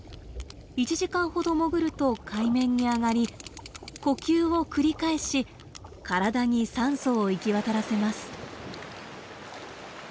１時間ほど潜ると海面に上がり呼吸を繰り返し体に酸素を行き渡らせます。